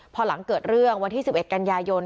พอหลังเกิดเรื่องวันที่๑๑กันยายน